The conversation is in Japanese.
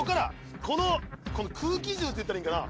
この空気銃って言ったらいいんかな。